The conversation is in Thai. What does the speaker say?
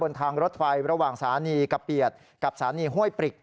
ทางรถไฟระหว่างสถานีกะเปียดกับสถานีห้วยปริก